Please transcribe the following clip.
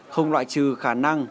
không loại trừ khả năng